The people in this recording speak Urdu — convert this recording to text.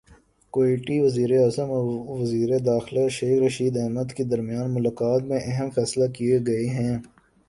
کویتی وزیراعظم اور وزیر داخلہ شیخ رشید احمد کے درمیان ملاقات میں اہم فیصلے کیے گئے ہیں